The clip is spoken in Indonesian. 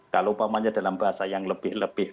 kalau dalam bahasa yang lebih